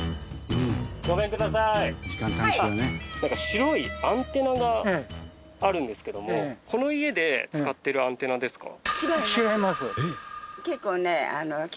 白いアンテナがあるんですけどもこの家で使ってるアンテナですか？